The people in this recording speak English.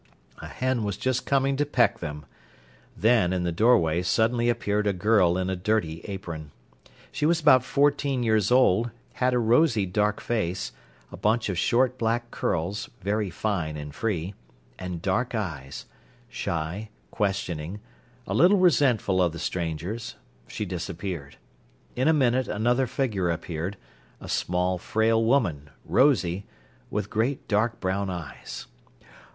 A hen was just coming to peck them. Then, in the doorway suddenly appeared a girl in a dirty apron. She was about fourteen years old, had a rosy dark face, a bunch of short black curls, very fine and free, and dark eyes; shy, questioning, a little resentful of the strangers, she disappeared. In a minute another figure appeared, a small, frail woman, rosy, with great dark brown eyes.